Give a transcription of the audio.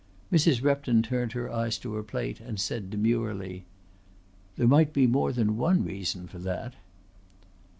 Mrs. Repton turned her eyes to her plate and said demurely: "There might be more than one reason for that."